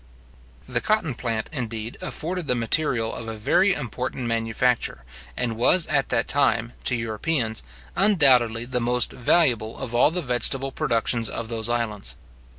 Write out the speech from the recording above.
The cotton plant, indeed, afforded the material of a very important manufacture, and was at that time, to Europeans, undoubtedly the most valuable of all the vegetable productions of those islands.